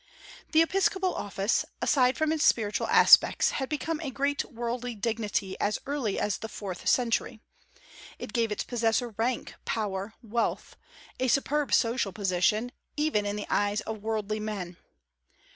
The episcopal office, aside from its spiritual aspects, had become a great worldly dignity as early as the fourth century. It gave its possessor rank, power, wealth, a superb social position, even in the eyes of worldly men.